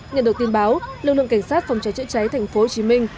nhận được tin báo lực lượng cảnh sát phòng cháy chữa cháy thành phố hồ chí minh